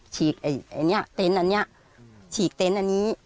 ฉีกเต็นต์อันนี้